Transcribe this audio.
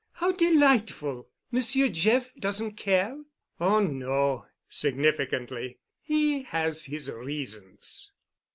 "How delightful! Monsieur Jeff doesn't care?" "Oh, no," significantly. "He has his reasons."